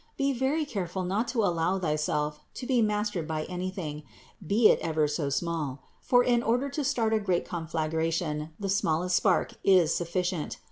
Be very careful not to allow thyself to be mastered by anything, be it ever so small ; for in order to start a great conflagration the smallest spark is sufficient.